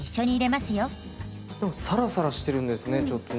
サラサラしてるんですねちょっとね。